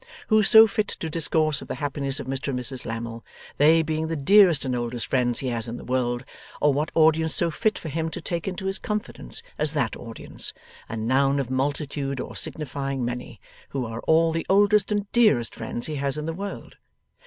Who so fit to discourse of the happiness of Mr and Mrs Lammle, they being the dearest and oldest friends he has in the world; or what audience so fit for him to take into his confidence as that audience, a noun of multitude or signifying many, who are all the oldest and dearest friends he has in the world?